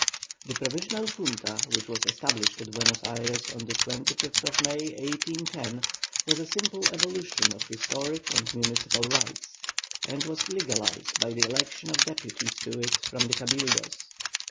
The Provisional Junta, which was established at Buenos Ayres on the 25th May, 1810, was a simple evolution of historic and municipal rights, and was legalised by the election of deputies to it from the Cabildos.